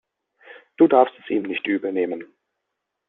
Du darfst es ihm nicht übel nehmen.